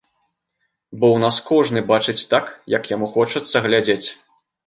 Бо ў нас кожны бачыць так, як яму хочацца глядзець.